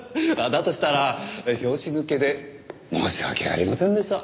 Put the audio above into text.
だとしたら拍子抜けで申し訳ありませんでした。